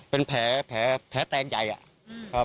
เป็นแผลแบบไหนฮะ